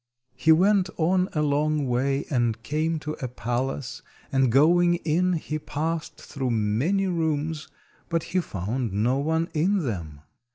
He went on a long way and came to a palace, and going in he passed through many rooms, but he found no one in them.